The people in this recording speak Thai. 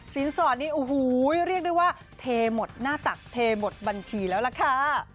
สอดนี้โอ้โหเรียกได้ว่าเทหมดหน้าตักเทหมดบัญชีแล้วล่ะค่ะ